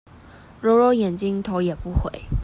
揉揉眼睛頭也不回